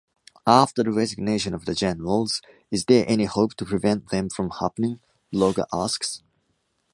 "After the resignation of the generals, is there any hope to prevent them from happening?" blogger asks.